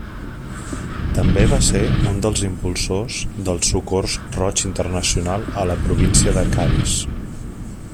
També va ser un dels impulsors del Socors Roig Internacional a la província de Cadis.